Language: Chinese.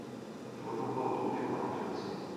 着重构图之完整性